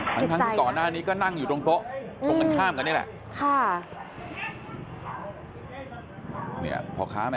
อเจมส์อันทั้งสุข่าวน่านี่ก็นั่งอยู่ตรงโต๊ะตรงคนข้ามกันเนี่ยแหละ